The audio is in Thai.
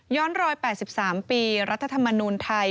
ย้อน๑๘๓ปีรัฐธรรมนุนไทย